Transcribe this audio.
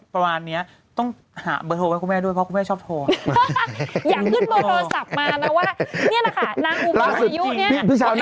เพราะเดี๋ยวบอกว่าคุณมดดำคุณหนุ่มจะโทรฮา